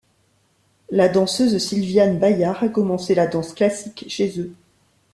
La danseuse Sylviane Bayard a commencé la danse classique chez eux.